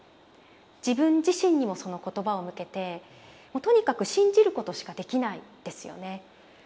自分自身にもその言葉を向けてもうとにかく信じることしかできないんですよね。